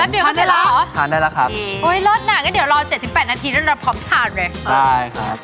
พอในละหรอพอในละครับโอ้ยรสหน่อยก็เดี๋ยวรอ๗๘นาทีแล้วเราพร้อมทานเลยใช่ครับ